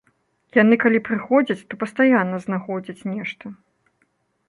Яны калі прыходзяць, то пастаянна знаходзяць нешта.